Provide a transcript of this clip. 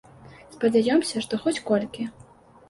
Спадзяёмся, што хоць колькі.